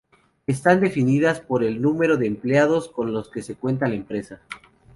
Están definidas por el número de empleados con los que cuenta la empresa.